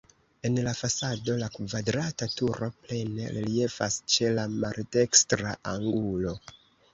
En la fasado la kvadrata turo plene reliefas ĉe la maldekstra angulo.